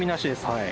はい。